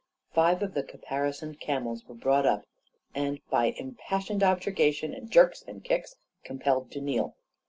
Five of the caparisoned camels were brought up and, by impassioned objurgation and jerks and kicks, compelled to kneel.